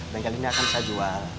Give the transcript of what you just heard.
bengkel ini akan saya jual